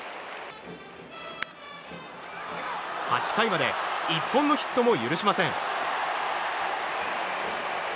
８回まで１本のヒットも許しません。